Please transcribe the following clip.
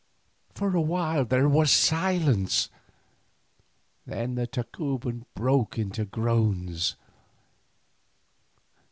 For a while there was silence, then the Tacuban broke into groans.